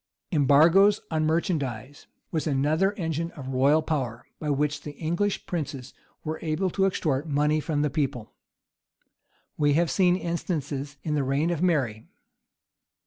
Embargoes on merchandise was another engine of royal power, by which the English princes were able to extort money from the people. We have seen instances in the reign of Mary.